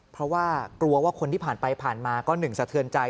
เพราะว่ากลัวว่าคนที่ผ่านไปผ่านมาก็หนึ่งสะเทือนใจ